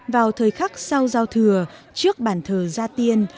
vào thời khắc sau giao thừa trước bản thờ ra tiên